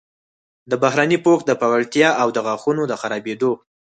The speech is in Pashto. د بهرني پوښ د پیاوړتیا او د غاښونو د خرابیدو